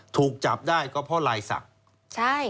ถูกจับได้ก็เพราะลายศักดิ์ใช่